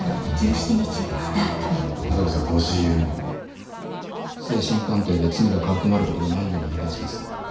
「ビオレ」精神鑑定で罪が軽くなることがないようお願いします。